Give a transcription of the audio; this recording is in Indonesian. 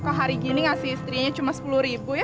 kok hari ini kasih istrinya cuma rp sepuluh ya